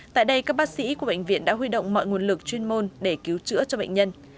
tại đây các bác sĩ của bệnh viện đã huy động mọi nguồn lực chuyên môn để cứu chữa cho bệnh nhân